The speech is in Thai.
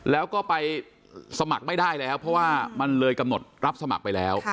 แล้วก็ไปสมัครไม่ได้แล้วเพราะว่ามันเลยกำหนดรับสมัครไปแล้ว